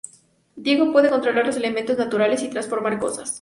Diego puede controlar los elementos naturales y transformar cosas.